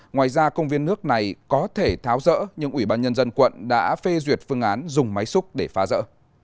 ngoài ra công viên nước này có thể tháo rỡ nhưng ủy ban nhân dân quận đã phê duyệt phương án dùng máy xúc để phá rỡ